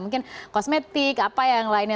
mungkin kosmetik apa yang lainnya